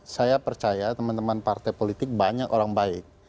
saya percaya teman teman partai politik banyak orang baik